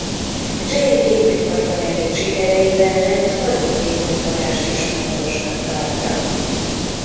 Gene gépiparban elért sikerei mellett a jótékonykodást is fontosnak tartja.